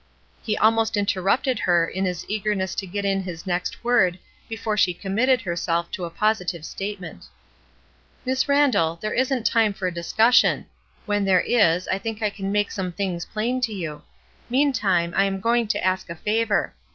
He ahnost interrupted her in his eagerness to get in his next word before she committed her self to a positive statement. "Miss Randall, there isn't time for a dis cussion when there is, I think I can make some things plain to you. Meantime, I am going to ask a favor.